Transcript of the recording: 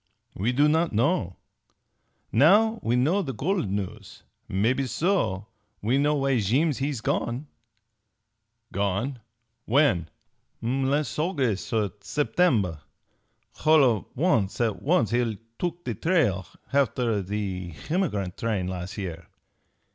We do not known. Now we know the gold news. Maybe so we know why Jeem he's gone!" "Gone? When?" "Las' H'august Settemb. H'all of an' at once he'll took the trail h'after the h'emigrant train las' year.